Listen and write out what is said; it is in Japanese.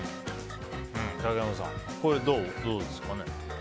竹山さん、これどうですかね。